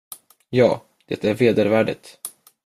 Ja, det är vedervärdigt.